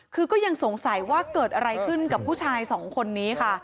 คือก็ยังสงสัยว่าเกิดอะไรขึ้นกับผู้ชายสองคนนี้ค่ะ